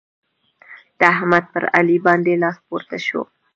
د احمد پر علي باندې لاس پورته شو.